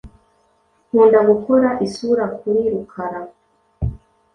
Nkunda gukora isura kuri Rukara .